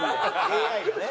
ＡＩがね。